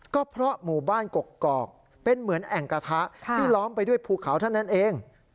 ก็เพราะหมู่บ้านกกอกเป็นเหมือนแอ่งกระทะที่ล้อมไปด้วยภูเขาเท่านั้นเอง